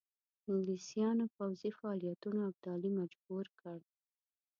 انګلیسیانو پوځي فعالیتونو ابدالي مجبور کړ.